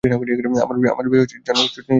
আমার বিয়ে জন্য ছুটি নিয়েছিস নাকি?